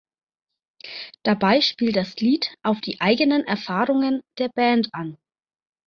Dabei spielt das Lied auf die eigenen Erfahrungen der Band an.